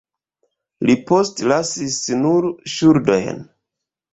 Li postlasis nur ŝuldojn.